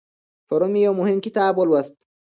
پرون مې یو مهم کتاب ولوست.